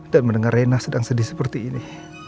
dan mendengar rena sedang sedih seperti ini